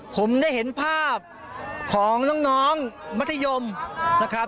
ผมได้เห็นภาพของน้องมัธยมนะครับ